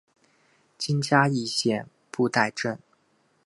今嘉义县布袋镇。